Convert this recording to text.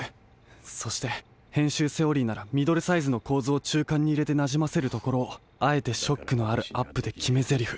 そしてへんしゅうセオリーならミドルサイズのこうずをちゅうかんにいれてなじませるところをあえてショックのあるアップできめゼリフ。